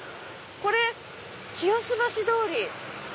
これ清洲橋通り。